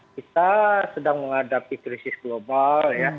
kita sedang menghadapi krisis global